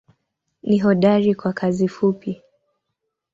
Ni hodari kwa kazi fupi.